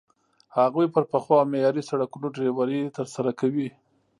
هغوی پر پخو او معیاري سړکونو ډریوري ترسره کوي.